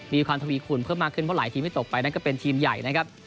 มีความทวีขุนเพิ่มมากขึ้นเพราะหลายทีมที่ตกไปนั่นก็เป็นทีมใหญ่นะครับ